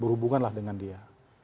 berhubunganlah dengan dia